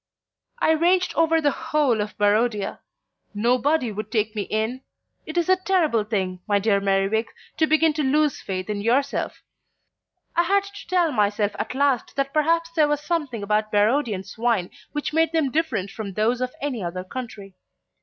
"I ranged over the whole of Barodia. Nobody would take me in. It is a terrible thing, my dear Merriwig, to begin to lose faith in yourself. I had to tell myself at last that perhaps there was something about Barodian swine which made them different from those of any other country.